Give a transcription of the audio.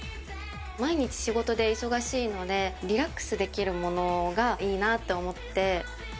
毎日仕事で忙しいのでリラックスできるものがいいなって思って。